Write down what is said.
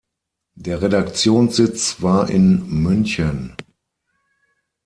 Der Redaktionssitz war in München.